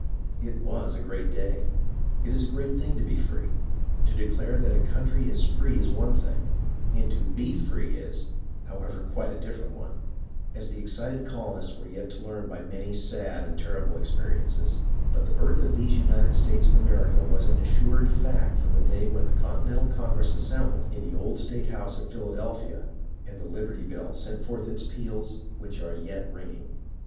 It was a great day. It is a great thing to be free. To declare that a county is free is one thing, and to be free is, however, quite a different one, as the excited colonists were yet to learn by many sad and terrible experiences ; but the birth of these United States of America was an assured fact from the day when the Continental Congress assem INDEPENDENCE 93 bled in the old State House at Philadelphia, and the " Liberty Bell " sent forth its peals which are yet ringing.